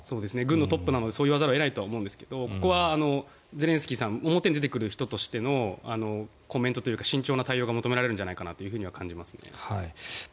軍のトップなのでそう言わざるを得ないと思うんですがゼレンスキーさんは表に出てくる人のコメントというか慎重な対応が求められるのではないかと感じますね。